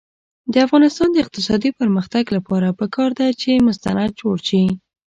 د افغانستان د اقتصادي پرمختګ لپاره پکار ده چې مستند جوړ شي.